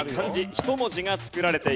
１文字が作られていきます。